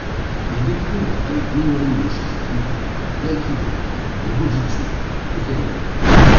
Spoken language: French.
Il découvre avec Minoru Mochizuki l'aïkido, le bo-jutsu, le kendo.